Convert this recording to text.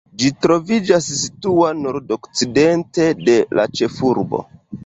Ĝi troviĝas situa nordokcidente de la ĉefurbo.